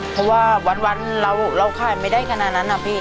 เพราะว่าวันเราขายไม่ได้ขนาดนั้นนะพี่